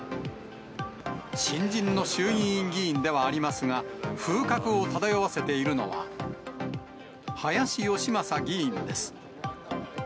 新人の衆議院議員ではありますが、風格を漂わせているのは、林芳正議員です。